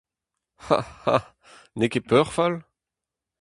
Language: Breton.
A ! a ! n'eo ket peurfall ?